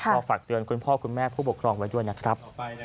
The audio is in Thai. ก็ฝากเตือนคุณพ่อคุณแม่ผู้ปกครองไว้ด้วยนะครับ